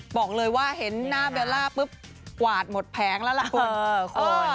บอกเลยว่าเห็นหน้าเบลล่าปุ๊บกวาดหมดแผงแล้วล่ะคุณ